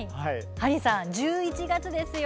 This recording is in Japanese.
ハリーさん１１月ですよ